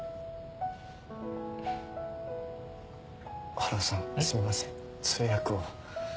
春尾さんすみません通訳を。